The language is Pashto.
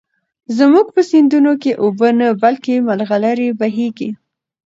زموږ په سيندونو کې اوبه نه، بلكې ملغلرې بهېږي.